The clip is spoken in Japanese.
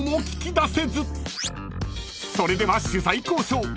［それでは取材交渉］